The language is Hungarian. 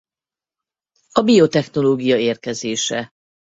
A biotechnológia érkezése.